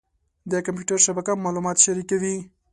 د کمپیوټر شبکه معلومات شریکوي.